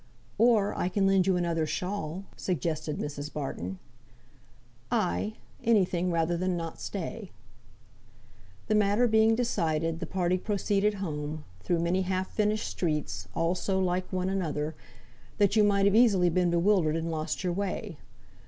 "Or I can lend you another shawl," suggested Mrs. Barton. "Ay, any thing rather than not stay." The matter being decided, the party proceeded home, through many half finished streets, all so like one another that you might have easily been bewildered and lost your way.